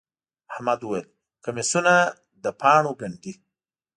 احمد وويل: کمیسونه له پاڼو گنډي.